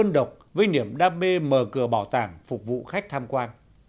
và đơn độc với niềm đam mê mở cửa bảo tàng phục vụ khách tham quan